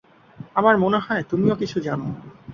আমার মনে হয় তুমিও কিছু জানো না।